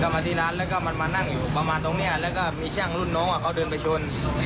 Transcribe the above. มานั่งอยู่ประมาณตรงนี้แล้วก็มีช่างรุ่นน้องเขาเดินไปชน